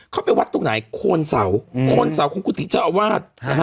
เขาไปวัดตรงไหนโคนเสาโคนเสาของกุฏิเจ้าอาวาสนะฮะ